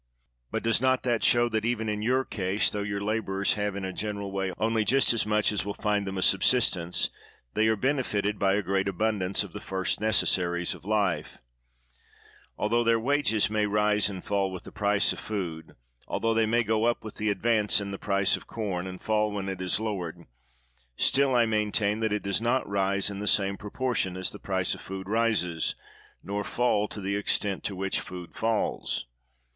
But does not that show that, even in your case, tho your laborers have in a general way only just as much as will find them a sub sistence, they are benefited by a great abundance of the first necessaries of life ? Altho their wages 172 COBDEN may rise and fall with the price of food, altho they may go up with the advance in the price of corn, and fall when it is lowered; still, I maintain that it does not rise in the same pro portion as the price of food rises, nor fall to the extent to which food falls.